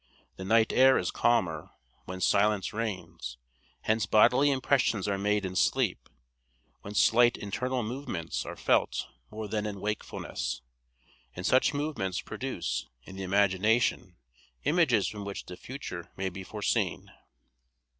The night air is calmer, when silence reigns, hence bodily impressions are made in sleep, when slight internal movements are felt more than in wakefulness, and such movements produce in the imagination images from which the future may be foreseen."